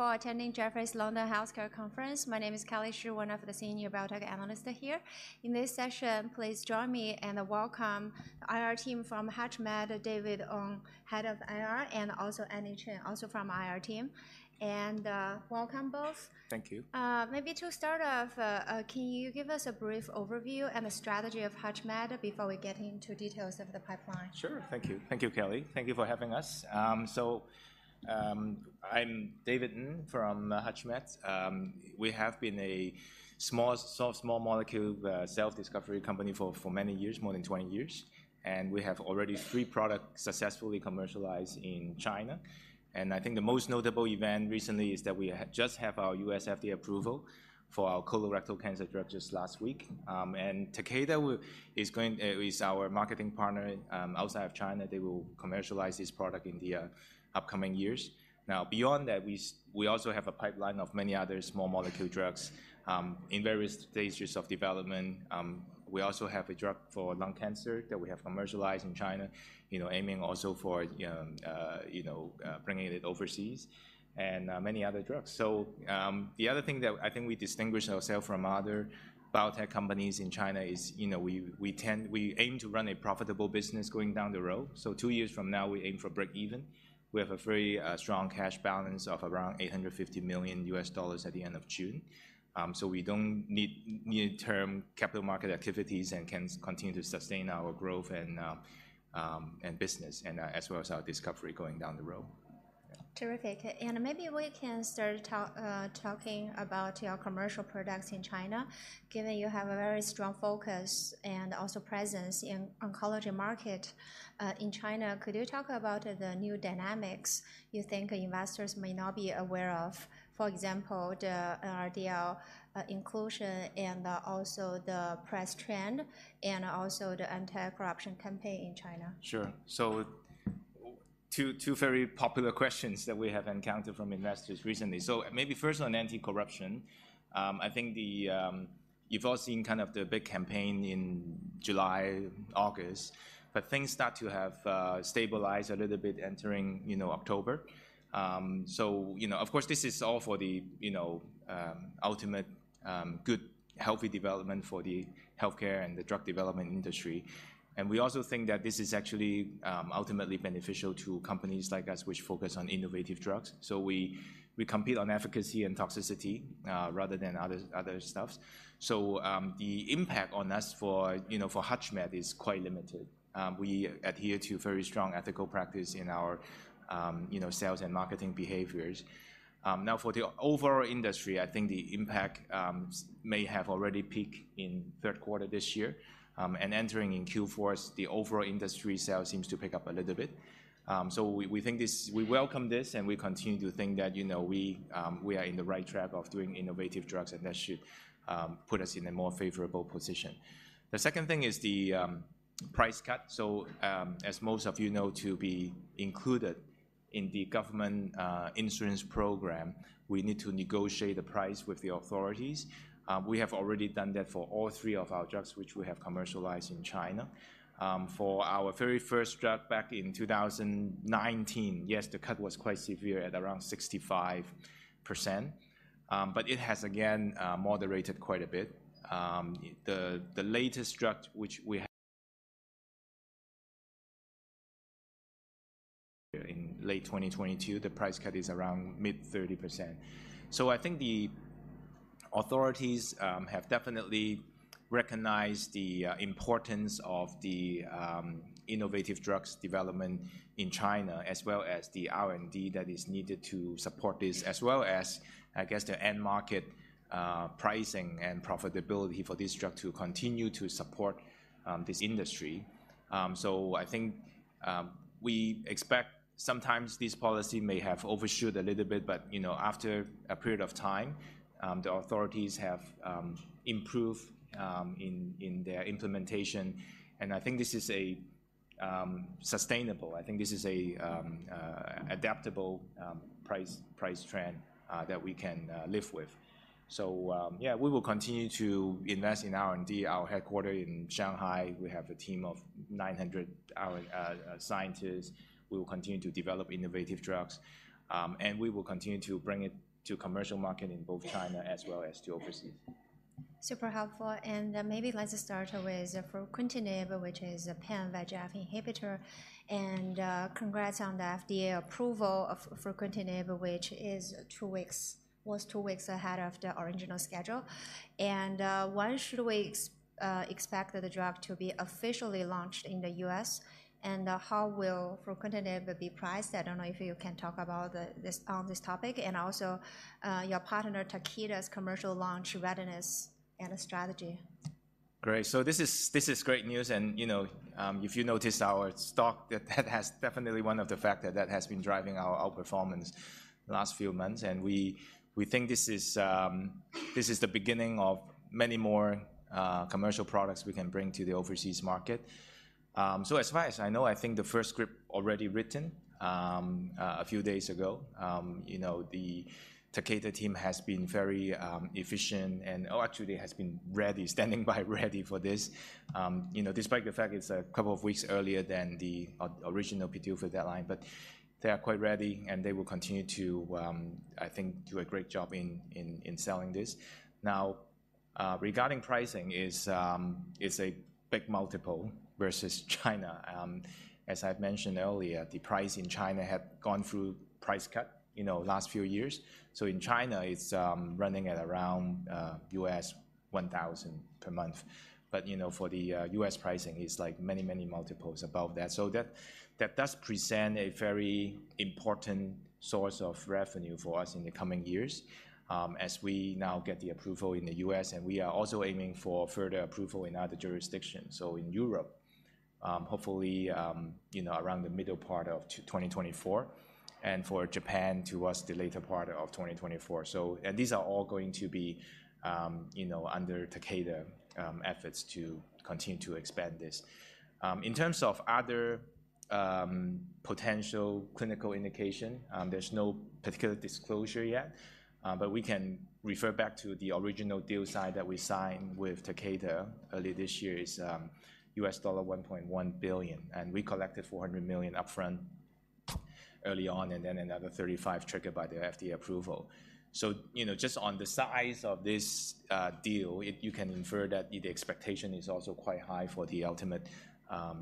Thank you for attending Jefferies London Healthcare Conference. My name is Kelly Shi, one of the senior biotech analyst here. In this session, please join me and welcome the IR team from HUTCHMED, David Ng, Head of IR, and also Annie Cheng, also from IR team. And, welcome both. Thank you. Maybe to start off, can you give us a brief overview and the strategy of HUTCHMED before we get into details of the pipeline? Sure. Thank you. Thank you, Kelly. Thank you for having us. So, I'm David Ng from HUTCHMED. We have been a small molecule self-discovery company for many years, more than 20 years, and we have already three products successfully commercialized in China. And I think the most notable event recently is that we just have our U.S. FDA approval for our colorectal cancer drug just last week. And Takeda is our marketing partner outside of China. They will commercialize this product in the upcoming years. Now, beyond that, we also have a pipeline of many other small molecule drugs in various stages of development. We also have a drug for lung cancer that we have commercialized in China, you know, aiming also for, you know, bringing it overseas and, many other drugs. So, the other thing that I think we distinguish ourselves from other biotech companies in China is, you know, we aim to run a profitable business going down the road. So two years from now, we aim for breakeven. We have a very, strong cash balance of around $850 million at the end of June. So we don't need near-term capital market activities and can continue to sustain our growth and, and business, and, as well as our discovery going down the road. Terrific. Maybe we can start talking about your commercial products in China, given you have a very strong focus and also presence in oncology market in China. Could you talk about the new dynamics you think investors may not be aware of? For example, the NRDL inclusion and also the price trend, and also the anti-corruption campaign in China. Sure. So two, two very popular questions that we have encountered from investors recently. So maybe first on anti-corruption. I think the, you've all seen kind of the big campaign in July, August, but things start to have stabilized a little bit entering, you know, October. So you know, of course, this is all for the, you know, ultimate, good, healthy development for the healthcare and the drug development industry. And we also think that this is actually, ultimately beneficial to companies like us, which focus on innovative drugs. So we, we compete on efficacy and toxicity, rather than other, other stuffs. So, the impact on us for, you know, for HUTCHMED is quite limited. We adhere to very strong ethical practice in our, you know, sales and marketing behaviours. Now, for the overall industry, I think the impact may have already peaked in third quarter this year. And entering in Q4, the overall industry sales seems to pick up a little bit. So we welcome this, and we continue to think that, you know, we are in the right track of doing innovative drugs, and that should put us in a more favorable position. The second thing is the price cut. So, as most of you know, to be included in the government insurance program, we need to negotiate the price with the authorities. We have already done that for all three of our drugs, which we have commercialized in China. For our very first drug back in 2019, yes, the cut was quite severe at around 65%, but it has again moderated quite a bit. The latest drug, which we have in late 2022, the price cut is around mid-30%. So I think the authorities have definitely recognized the importance of the innovative drugs development in China, as well as the R&D that is needed to support this, as well as, I guess, the end market pricing and profitability for this drug to continue to support this industry. So I think we expect sometimes this policy may have overshot a little bit, but, you know, after a period of time, the authorities have improved in their implementation, and I think this is sustainable. I think this is a adaptable price trend that we can live with. So, yeah, we will continue to invest in R&D. Our headquarters in Shanghai, we have a team of 900 scientists. We will continue to develop innovative drugs, and we will continue to bring it to commercial market in both China as well as to overseas. Super helpful, and, maybe let's start with fruquintinib, which is a pan-VEGF inhibitor, and, congrats on the FDA approval of fruquintinib, which was two weeks ahead of the original schedule. And, when should we expect the drug to be officially launched in the U.S., and how will fruquintinib be priced? I don't know if you can talk about the, this, this topic, and also, your partner, Takeda's, commercial launch readiness and strategy. Great. So this is great news, and, you know, if you noticed our stock, that has definitely one of the factor that has been driving our performance the last few months. And we think this is the beginning of many more commercial products we can bring to the overseas market. So as far as I know, I think the first script already written a few days ago. You know, the Takeda team has been very efficient and actually has been ready, standing by, ready for this. You know, despite the fact it's a couple of weeks earlier than the original PDUFA deadline, but they are quite ready, and they will continue to, I think, do a great job in selling this. Now-... Regarding pricing, it is a big multiple versus China. As I've mentioned earlier, the price in China had gone through price cut, you know, last few years. So in China, it's running at around $1,000 per month. But, you know, for the U.S. pricing, it's like many, many multiples above that. So that does present a very important source of revenue for us in the coming years, as we now get the approval in the U.S., and we are also aiming for further approval in other jurisdictions. So in Europe, hopefully, you know, around the middle part of 2024, and for Japan towards the later part of 2024. And these are all going to be, you know, under Takeda's efforts to continue to expand this. In terms of other potential clinical indication, there's no particular disclosure yet, but we can refer back to the original deal sign that we signed with Takeda early this year is $1.1 billion, and we collected $400 million upfront early on, and then another $35 million triggered by the FDA approval. So, you know, just on the size of this deal, you can infer that the expectation is also quite high for the ultimate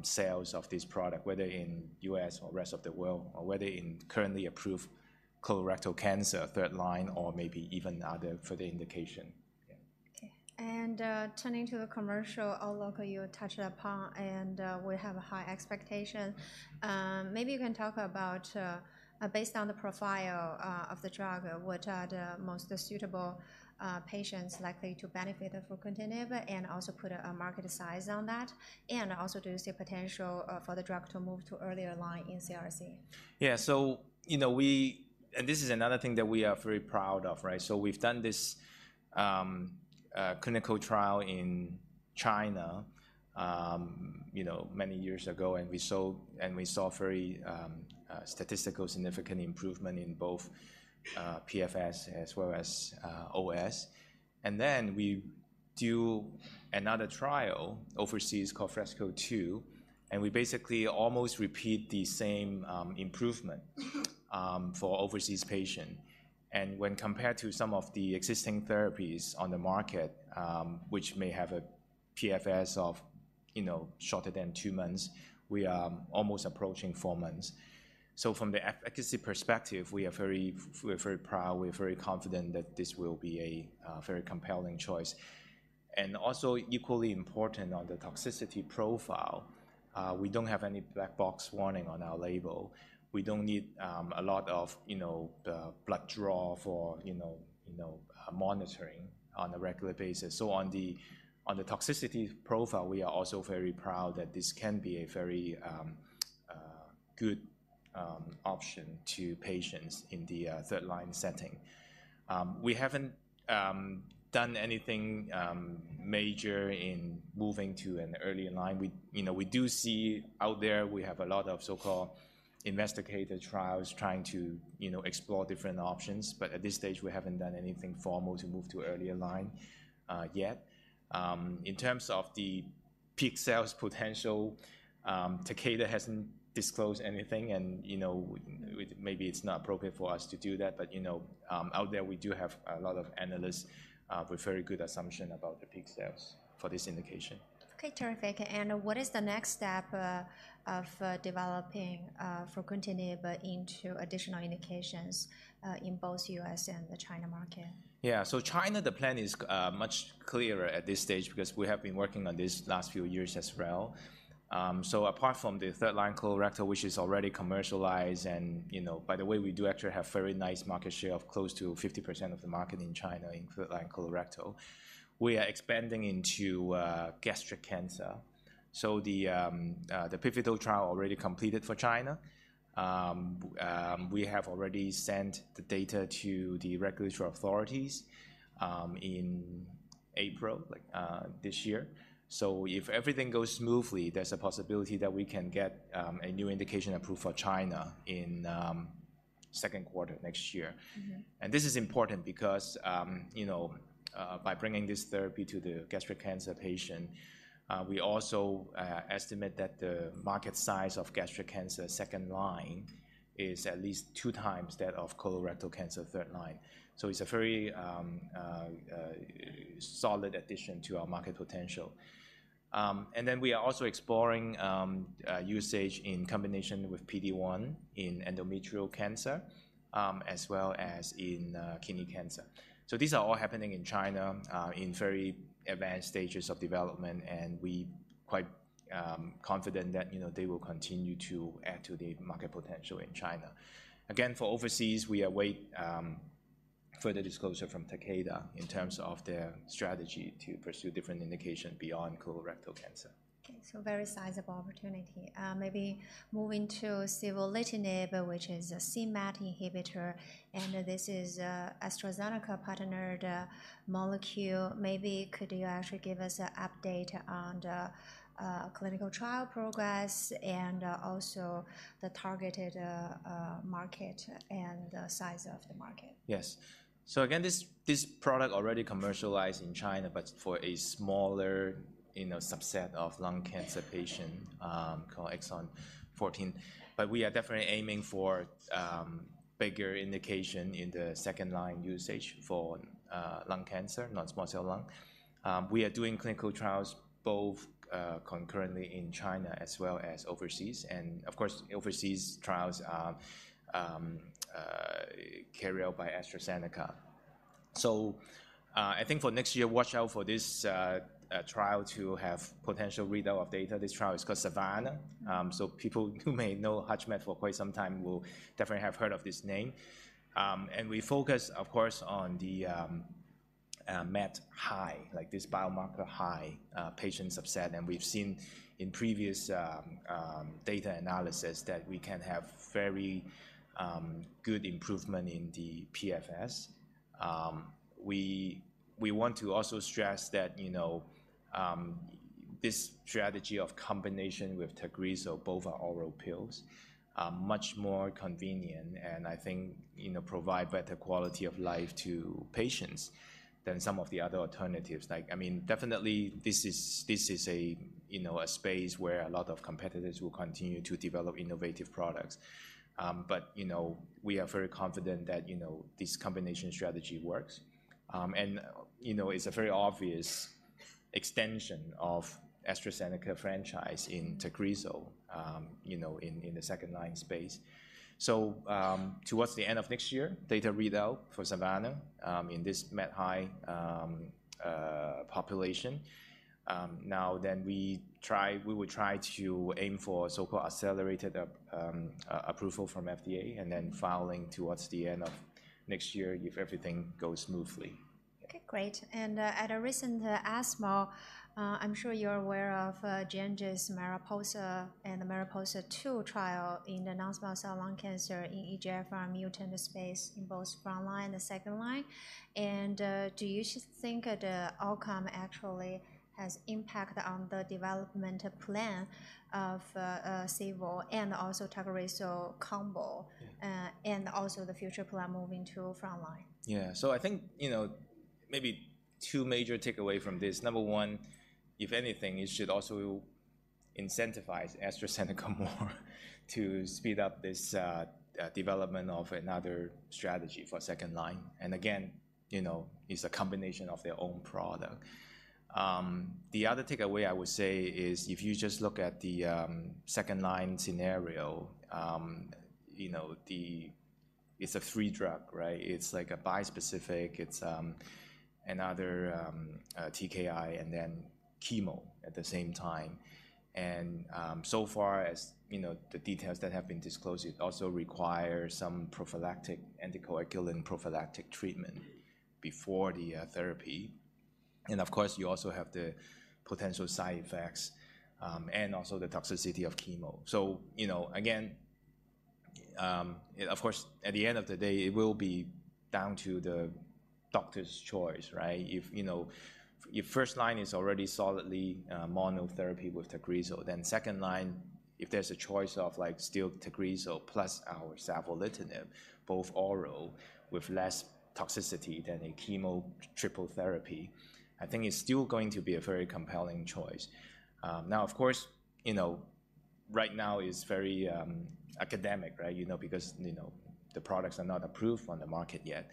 sales of this product, whether in U.S. or rest of the world, or whether in currently approved colorectal cancer, third line, or maybe even other further indication. Yeah. Okay. And turning to the commercial outlook you touched upon, and we have a high expectation. Maybe you can talk about, based on the profile of the drug, what are the most suitable patients likely to benefit from fruquintinib and also put a market size on that? And also, do you see potential for the drug to move to earlier line in CRC? Yeah. So, you know, we and this is another thing that we are very proud of, right? So we've done this clinical trial in China, you know, many years ago, and we saw, and we saw very statistically significant improvement in both PFS as well as OS. And then we do another trial overseas called FRESCO-2, and we basically almost repeat the same improvement for overseas patient. And when compared to some of the existing therapies on the market, which may have a PFS of, you know, shorter than two months, we are almost approaching four months. So from the efficacy perspective, we are very proud, we're very confident that this will be a very compelling choice. And also equally important on the toxicity profile, we don't have any black box warning on our label. We don't need a lot of, you know, the blood draw for, you know, you know, monitoring on a regular basis. So on the, on the toxicity profile, we are also very proud that this can be a very good option to patients in the third line setting. We haven't done anything major in moving to an earlier line. We, you know, we do see out there, we have a lot of so-called investigator trials trying to, you know, explore different options, but at this stage, we haven't done anything formal to move to earlier line yet. In terms of the peak sales potential, Takeda hasn't disclosed anything, and, you know, maybe it's not appropriate for us to do that, but, you know, out there we do have a lot of analysts with very good assumption about the peak sales for this indication. Okay, terrific. What is the next step of developing fruquintinib into additional indications in both U.S. and the China market? Yeah. So China, the plan is much clearer at this stage because we have been working on this last few years as well. So apart from the third line colorectal, which is already commercialized, and, you know, by the way, we do actually have very nice market share of close to 50% of the market in China in third line colorectal. We are expanding into gastric cancer. So the pivotal trial already completed for China. We have already sent the data to the regulatory authorities in April this year. So if everything goes smoothly, there's a possibility that we can get a new indication approved for China in second quarter next year. Mm-hmm. And this is important because, you know, by bringing this therapy to the gastric cancer patient, we also estimate that the market size of gastric cancer second line is at least two times that of colorectal cancer third line. So it's a very solid addition to our market potential. And then we are also exploring usage in combination with PD-1 in endometrial cancer, as well as in kidney cancer. So these are all happening in China in very advanced stages of development, and we quite confident that, you know, they will continue to add to the market potential in China. Again, for overseas, we await further disclosure from Takeda in terms of their strategy to pursue different indication beyond colorectal cancer. Okay, so very sizable opportunity. Maybe moving to savolitinib, which is a c-MET inhibitor, and this is AstraZeneca partnered molecule. Maybe could you actually give us an update on the clinical trial progress and also the targeted market and the size of the market? Yes. So again, this, this product already commercialized in China, but for a smaller, you know, subset of lung cancer patient, called MET exon 14. But we are definitely aiming for bigger indication in the second-line usage for lung cancer, non-small cell lung. We are doing clinical trials both concurrently in China as well as overseas, and of course, overseas trials are carried out by AstraZeneca. So, I think for next year, watch out for this trial to have potential readout of data. This trial is called SAVANNAH. So people who may know HUTCHMED for quite some time will definitely have heard of this name. We focus, of course, on the MET-high, like this biomarker-high patients subset, and we've seen in previous data analysis that we can have very good improvement in the PFS. We want to also stress that, you know, this strategy of combination with T, both are oral pills, are much more convenient and I think, you know, provide better quality of life to patients than some of the other alternatives. Like, I mean, definitely this is a space where a lot of competitors will continue to develop innovative products. But, you know, we are very confident that, you know, this combination strategy works. And, you know, it's a very obvious extension of AstraZeneca franchise in TAGRISSO in the second-line space. Towards the end of next year, data readout for SAVANNAH in this MET high population. We will try to aim for so-called accelerated approval from FDA and then filing towards the end of next year if everything goes smoothly. Okay, great. And, at a recent ESMO, I'm sure you're aware of, Genentech's MARIPOSA and the MARIPOSA-2 trial in the non-small cell lung cancer in EGFR mutant space in both front line and the second line. And, do you think the outcome actually has impact on the development plan of, savolitinib and also TAGRISSO combo- Yeah. Also, the future plan moving to front line? Yeah. So I think, you know, maybe two major takeaway from this. Number one, if anything, it should also incentivize AstraZeneca more to speed up this development of another strategy for second line. And again, you know, it's a combination of their own product. The other takeaway I would say is, if you just look at the second line scenario, you know, the, it's a three-drug, right? It's like a bispecific, it's another TKI and then chemo at the same time. And so far as, you know, the details that have been disclosed, it also requires some prophylactic anticoagulant prophylactic treatment before the therapy. And of course, you also have the potential side effects and also the toxicity of chemo. So, you know, again, of course, at the end of the day, it will be down to the doctor's choice, right? If, you know, if first line is already solidly, monotherapy with TAGRISSO, then second line, if there's a choice of, like, still TAGRISSO plus our savolitinib, both oral, with less toxicity than a chemo triple therapy, I think it's still going to be a very compelling choice. Now, of course, you know, right now it's very, academic, right? You know, because, you know, the products are not approved on the market yet.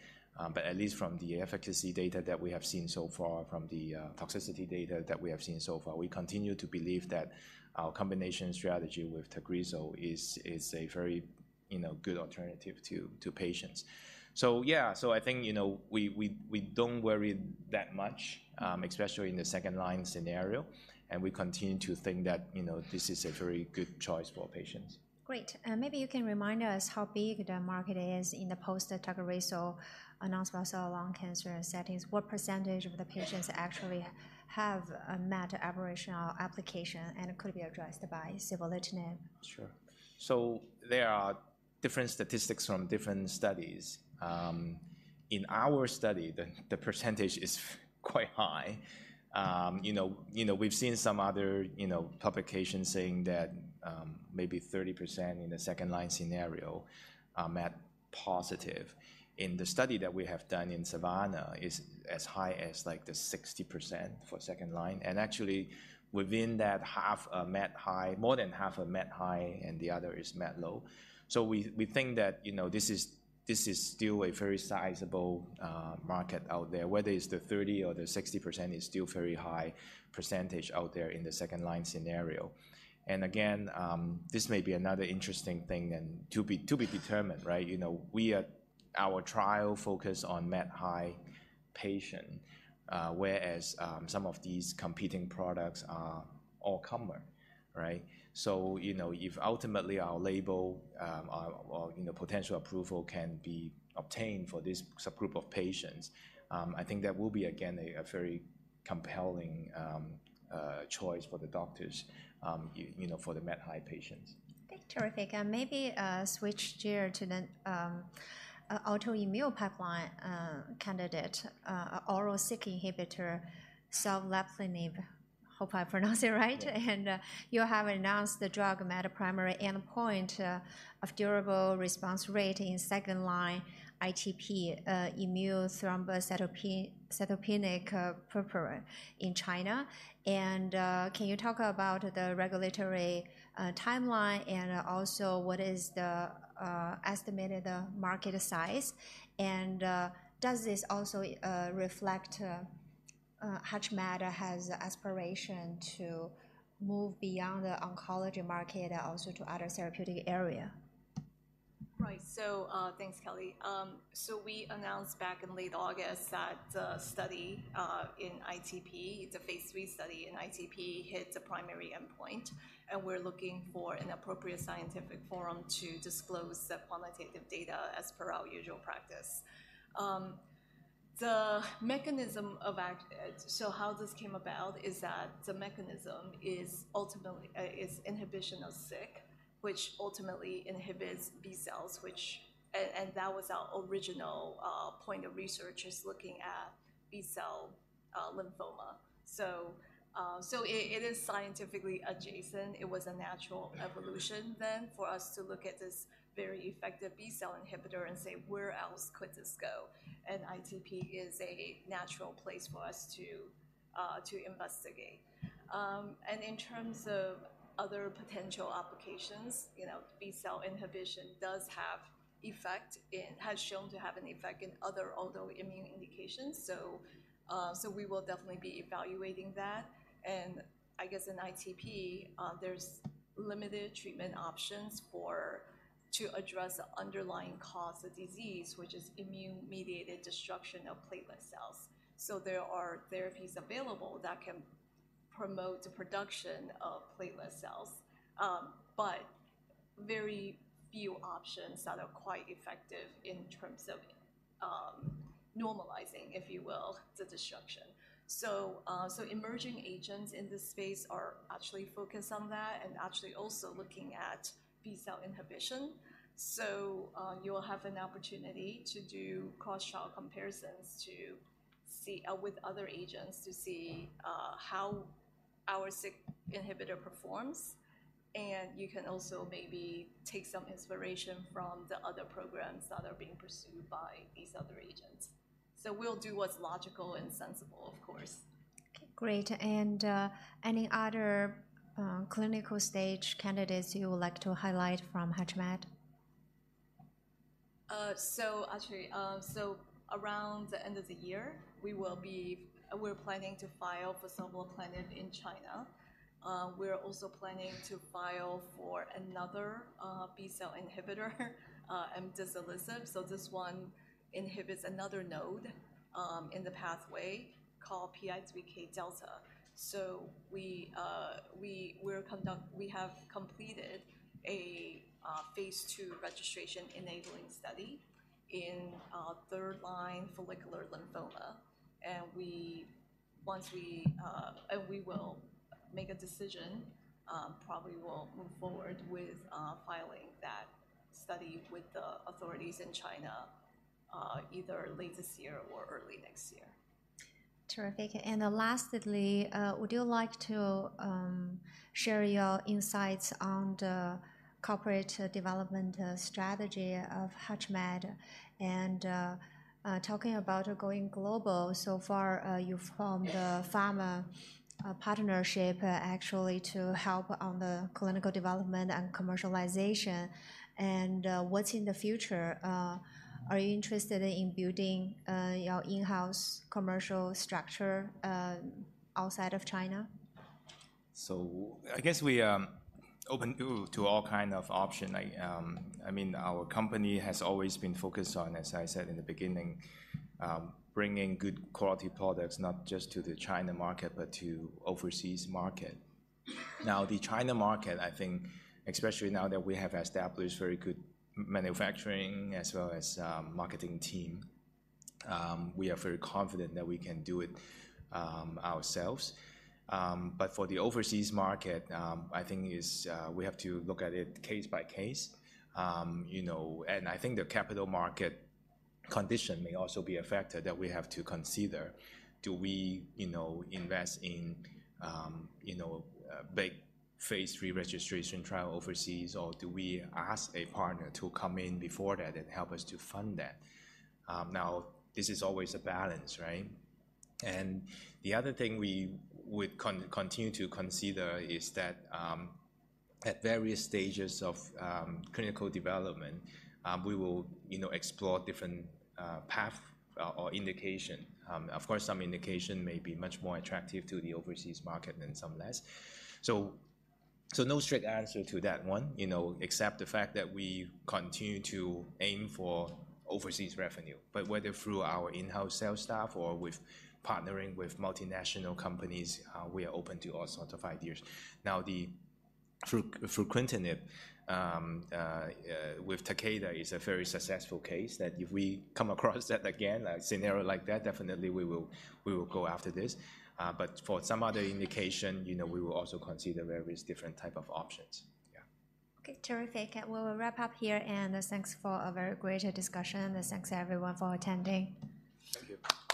But at least from the efficacy data that we have seen so far, from the, toxicity data that we have seen so far, we continue to believe that our combination strategy with TAGRISSO is, is a very, you know, good alternative to, to patients. So, yeah, so I think, you know, we don't worry that much, especially in the second-line scenario, and we continue to think that, you know, this is a very good choice for patients. Great. Maybe you can remind us how big the market is in the post TAGRISSO non-small cell lung cancer settings. What percentage of the patients actually have a MET aberrational application and could be addressed by savolitinib? Sure. So, there are different statistics from different studies. In our study, the percentage is quite high. You know, we've seen some other publications saying that maybe 30% in the second-line scenario, MET positive. In the study that we have done in SAVANNAH, is as high as, like, 60% for second line, and actually within that half, MET high, more than half are MET high, and the other is MET low. So we think that you know, this is still a very sizable market out there. Whether it's the 30% or the 60%, it's still very high percentage out there in the second-line scenario. And again, this may be another interesting thing and to be determined, right? You know, our trial focus on MET-high patient, whereas some of these competing products are all-comer, right? So, you know, if ultimately our label or you know, potential approval can be obtained for this subgroup of patients, I think that will be, again, a very compelling choice for the doctors, you know, for the MET-high patients. Terrific. Maybe switch gear to the autoimmune pipeline candidate, oral Syk inhibitor, sovleplenib. Hope I pronounce it right. Yeah. You have announced the drug met a primary endpoint of durable response rate in second-line ITP, immune thrombocytopenic purpura in China. Can you talk about the regulatory timeline, and also what is the estimated market size? And does this also reflect HUTCHMED has aspiration to move beyond the oncology market and also to other therapeutic area? Right. So, thanks, Kelly. So we announced back in late August that the study in ITP, the phase III study in ITP, hit the primary endpoint, and we're looking for an appropriate scientific forum to disclose the quantitative data as per our usual practice. So how this came about is that the mechanism is ultimately inhibition of Syk, which ultimately inhibits B cells, and that was our original point of research, looking at B cell lymphoma. So it is scientifically adjacent. It was a natural evolution then for us to look at this very effective B-cell inhibitor and say: Where else could this go? And ITP is a natural place for us to investigate. In terms of other potential applications, you know, B cell inhibition has shown to have an effect in other autoimmune indications. So, we will definitely be evaluating that. And I guess in ITP, there's limited treatment options to address the underlying cause of disease, which is immune-mediated destruction of platelet cells. So, there are therapies available that can promote the production of platelet cells, but very few options that are quite effective in terms of normalizing, if you will, the disruption. So, emerging agents in this space are actually focused on that and actually also looking at B cell inhibition. So, you will have an opportunity to do cross-trial comparisons to see with other agents to see how our Syk inhibitor performs. You can also maybe take some inspiration from the other programs that are being pursued by these other agents. We'll do what's logical and sensible, of course. Okay, great. And any other, clinical stage candidates you would like to highlight from HUTCHMED? So actually, around the end of the year, we're planning to file sovleplenib in China. We're also planning to file for another B cell inhibitor, tazemetostat. So this one inhibits another node in the pathway called PI3Kδ. So we have completed a phase II registration-enabling study in third-line follicular lymphoma. And we will make a decision, probably will move forward with filing that study with the authorities in China, either late this year or early next year. Terrific. And lastly, would you like to share your insights on the corporate development strategy of HUTCHMED? And talking about going global, so far you've formed a pharma partnership actually to help on the clinical development and commercialization. And what's in the future? Are you interested in building your in-house commercial structure outside of China? So, I guess we are open to all kind of option. I, I mean, our company has always been focused on, as I said in the beginning, bringing good quality products, not just to the China market, but to overseas market. Now, the China market, I think especially now that we have established very good manufacturing as well as, marketing team, we are very confident that we can do it, ourselves. But for the overseas market, I think is, we have to look at it case by case. You know, and I think the capital market condition may also be a factor that we have to consider. Do we, you know, invest in, you know, a big phase III registration trial overseas, or do we ask a partner to come in before that and help us to fund that? Now, this is always a balance, right? And the other thing we would continue to consider is that, at various stages of clinical development, we will, you know, explore different path or indication. Of course, some indication may be much more attractive to the overseas market than some less. So no straight answer to that one, you know, except the fact that we continue to aim for overseas revenue. But whether through our in-house sales staff or with partnering with multinational companies, we are open to all sorts of ideas. Now, the fruquintinib with Takeda is a very successful case that if we come across that again, a scenario like that, definitely we will go after this. But for some other indication, you know, we will also consider various different type of options. Yeah. Okay, terrific. We'll wrap up here, and thanks for a very great discussion. Thanks, everyone, for attending. Thank you.